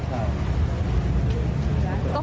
ใช่